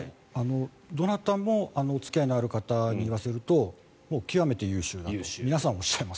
どなたも付き合いのある方に言わせると極めて優秀だと皆さんおっしゃいます。